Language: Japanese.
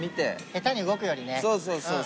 下手に動くよりねうん。